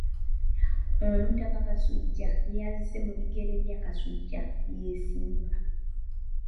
Omutaka Kasujja yazze mu bigere bya Kasujja Kyesimba.